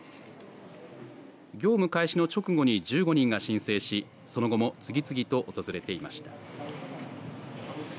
業務開始の直後に１５人が申請しその後も次々と訪れていました。